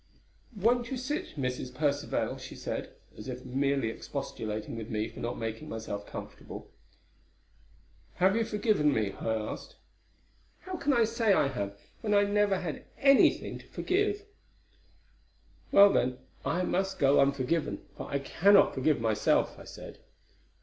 "Won't you sit, Mrs. Percivale?" she said, as if merely expostulating with me for not making myself comfortable. "Have you forgiven me?" I asked. "How can I say I have, when I never had any thing to forgive?" "Well, then, I must go unforgiven, for I cannot forgive myself," I said.